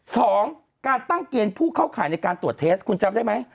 สองการตั้งเกณฑ์ผู้เข้าข่ายในการตรวจเทสคุณจำได้ไหม